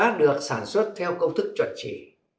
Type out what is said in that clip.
đã được sản xuất theo công thức chuẩn trị